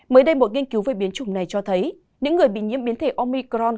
mới đây một nghiên cứu về biến chủng này cho thấy những người bị nhiễm biến thể omicron